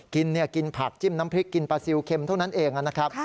กินกินผักจิ้มน้ำพริกกินปลาซิลเค็มเท่านั้นเองนะครับ